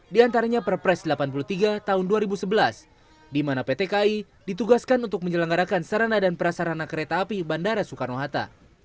di antaranya perpres delapan puluh tiga tahun dua ribu sebelas di mana pt ki ditugaskan untuk menyelenggarakan sarana dan prasarana kereta api bandara soekarno hatta